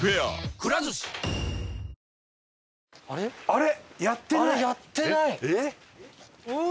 あれ？